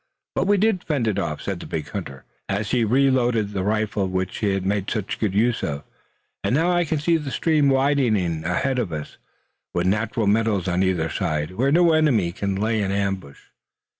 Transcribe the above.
"But we did fend it off," said the big hunter, as he reloaded the rifle of which he had made such good use. "And now I can see the stream widening ahead of us, with natural meadows on either side, where no enemy can lay an ambush.